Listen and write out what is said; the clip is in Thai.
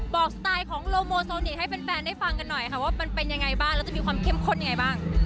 บอกสไตล์ของโลโมลโซนิกส์ให้แฟนได้ฟังหน่อยหน่อยผมว่ามันเป็นยังไงบ้างและมีความเค็มข้นยังไงบ้าง